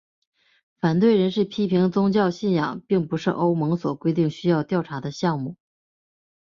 反对人士批评宗教信仰并不是欧盟所规定需要调查的项目。